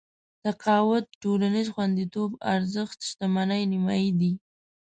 تقاعد ټولنيز خونديتوب ارزښت شتمنۍ نيمايي دي.